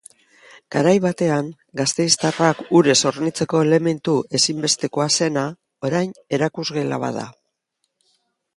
Garai batean gasteiztarrak urez hornitzeko elementu ezinbestekoa zena, orain erakusgela bat da.